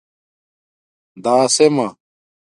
دَاسیمݳ